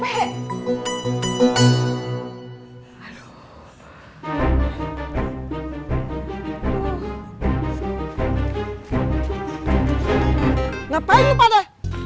kenapa ini pada